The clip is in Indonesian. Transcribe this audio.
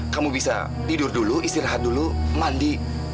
kamu bisa tidur dulu istirahat dulu mandi